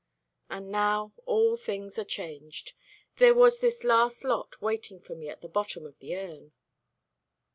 And now all things are changed. There was this last lot waiting for me at the bottom of the urn."